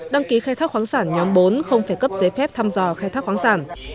đăng ký khai thác khoáng sản nhóm bốn không phải cấp giấy phép thăm dò khai thác khoáng sản